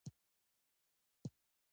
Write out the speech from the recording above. نو د تصوير انځور څخه هدف همدا دى